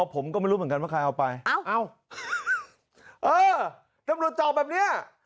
ผมก็ไม่รู้เหมือนกันว่าใครเอาไปเอ้าเอ้าเออตำรวจจอดแบบเนี้ย